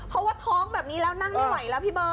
เพราะว่าท้องแบบนี้แล้วนั่งไม่ไหวแล้วพี่เบิร์